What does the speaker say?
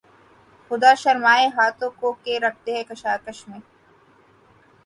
خدا شرمائے ہاتھوں کو کہ رکھتے ہیں کشاکش میں